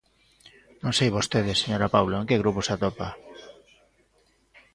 Non sei vostede, señora Paulo, en que grupo se atopa.